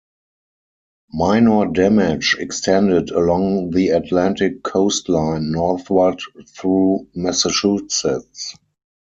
Minor damage extended along the Atlantic coastline northward through Massachusetts.